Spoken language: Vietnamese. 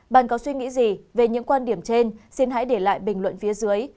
bạn có suy nghĩ gì về những quan điểm trên xin hãy để lại bình luận phía dưới